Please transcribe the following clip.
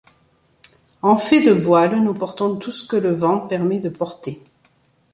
En fait de voiles, nous portons tout ce que le vent permet de porter.